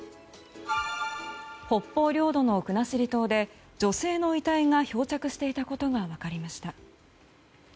北方領土の国後島で女性の遺体が漂着していたことが分かりました。